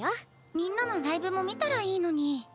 みんなのライブも見たらいいのに。